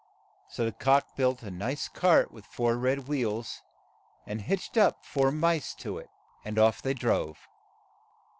So the cock built a nice tart with four red wheels, and hitched up four mice to it, and off they drove.